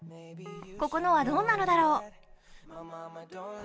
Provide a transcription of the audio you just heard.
ここのはどんなのだろう。